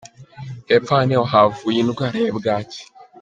Hepfo aha niho havuye indwara yabwaki.